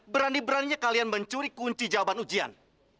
berani beraninya kalian mencuri kunci jawaban ujian